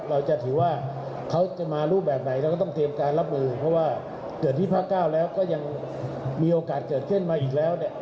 เราจะถือว่าเขาจะมารูปแบบไหนเราก็ต้องเตรียมการรับมือเพราะว่าเกิดที่ภาค๙แล้วก็ยังมีโอกาสเกิดขึ้นมาอีกแล้วเนี่ย